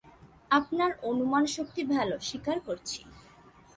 আপনার অনুমানশক্তি ভালো, স্বীকার করছি।